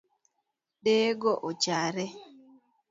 Deye go ochare